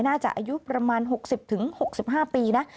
น่าจะอายุประมาณ๖๐๖๕ปีนะ